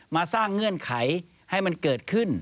สร้างเงื่อนไขให้มันเกิดขึ้น